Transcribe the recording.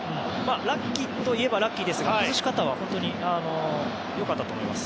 ラッキーといえばラッキーですが崩し方は本当に良かったと思います。